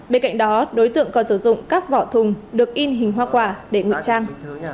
bên cạnh đó đối tượng còn sử dụng các vỏ thùng được in hình hoa quả để ngụy trang